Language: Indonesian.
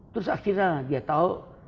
terus akhirnya dia tahu